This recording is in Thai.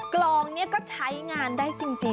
กลองนี้ก็ใช้งานได้จริง